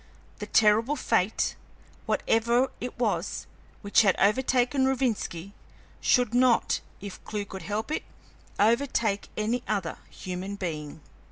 The terrible fate, whatever it was, which had overtaken Rovinski, should not, if Clewe could help it, overtake any other human being.